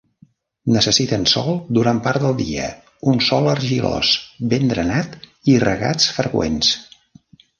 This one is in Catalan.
Necessiten sol durant part del dia, un sòl argilós ben drenat i regats freqüents.